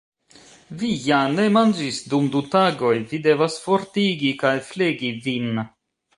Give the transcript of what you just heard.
Vi ja ne manĝis dum du tagoj; vi devas fortigi kaj flegi vin